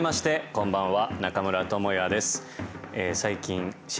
こんばんは。